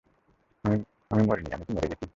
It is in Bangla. আমি মরিনি, আমি কি মরে গেছি?